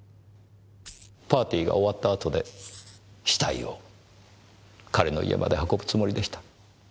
パーティーが終わった後で死体を彼の家まで運ぶつもりでした？